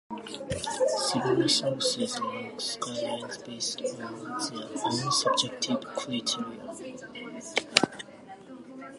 Several services rank skylines based on their own subjective criteria.